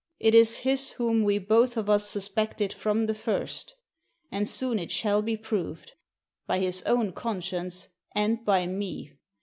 It is his whom we both of us suspected from the first. And soon it shall be proved: by his own conscience and by me.